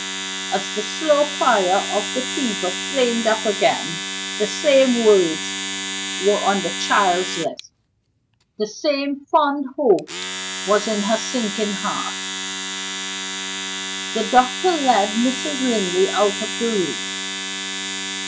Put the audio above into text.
As the slow fire of the fever flamed up again, the same words were on the child's lips, the same fond hope was in her sinking heart. The doctor led Mrs. Linley out of the room.